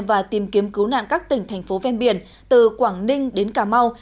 và tìm kiếm cứu nạn các tỉnh thành phố ven biển từ quảng ninh đến cà mau